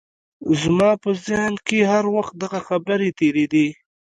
زما په ذهن کې هر وخت دغه خبرې تېرېدې.